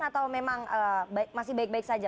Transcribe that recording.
atau memang masih baik baik saja